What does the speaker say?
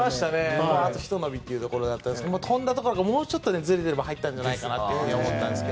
もうあとひと伸びでしたが飛んだところがもうちょっとずれてれば入ったんじゃないかなと思ったんですが。